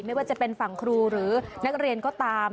ไม่ว่าจะเป็นฝั่งครูหรือนักเรียนก็ตาม